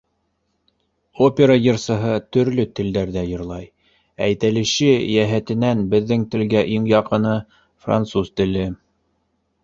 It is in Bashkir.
Опера йырсыһы төрлө телдәрҙә йырлай, әйтелеше йәһәтенән беҙҙең телгә иң яҡыны - француз теле.